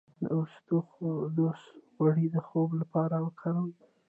د اسطوخودوس غوړي د خوب لپاره وکاروئ